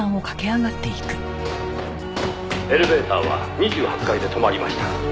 「エレベーターは２８階で止まりました」